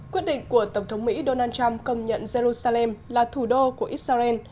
quyết định của tổng thống mỹ donald trump công nhận jerusalem là thủ đô của israel